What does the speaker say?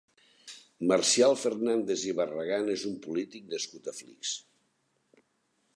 Marcial Fernàndez i Barragan és un polític nascut a Flix.